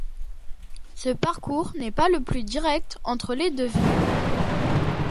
Ce parcours n'est pas le plus direct entre les deux villes.